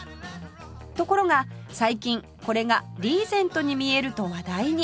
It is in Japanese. ところが最近これがリーゼントに見えると話題に